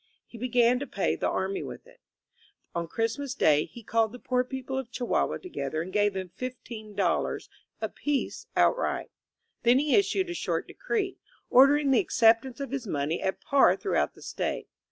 He began to pay the army with it. On Christmas Day he called the poor people of Chihuahua together and gave them $15 apiece outright. Then he issued a short decree, ordering the acceptance of his money at par through out the State.